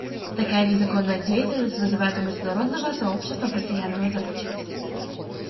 Такая незаконная деятельность вызывает у международного сообщества постоянную озабоченность.